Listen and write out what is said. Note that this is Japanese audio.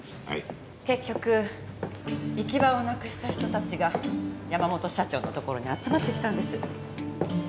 はい結局行き場をなくした人達が山本社長のところに集まってきたんです